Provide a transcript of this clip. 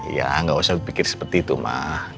iya gak usah pikir seperti itu ma